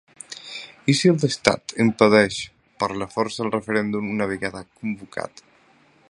I si l’estat impedeix per la força el referèndum una vegada convocat?